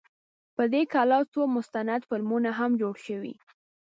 په دې کلا څو مستند فلمونه هم جوړ شوي.